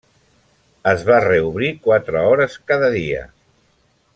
Es va reobrir quatre hores cada dia.